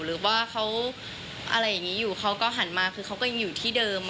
หรือว่าเขาอะไรอย่างนี้อยู่เขาก็หันมาคือเขาก็ยังอยู่ที่เดิม